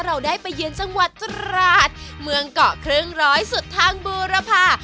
เราได้ไปเยือนจังหวัดตราดเมืองเกาะครึ่งร้อยสุดทางบูรพา